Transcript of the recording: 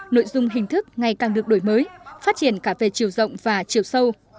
nội dung hình thức ngày càng được đổi mới phát triển cả về chiều rộng và chiều sâu